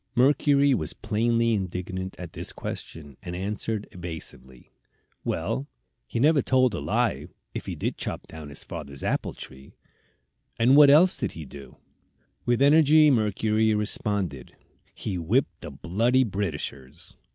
Mercury was plainly indignant at this question, and answered, evasively: "Well, he never told a lie, if he did chop down his father's apple tree." "And what else did he do?" With energy Mercury responded: "He whipped the bloody Britishers."